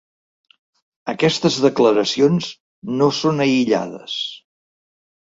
Aquestes declaracions no són aïllades.